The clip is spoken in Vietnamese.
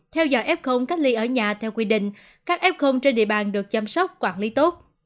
theo dõi f cách ly ở nhà theo quy định các f trên địa bàn được chăm sóc quản lý tốt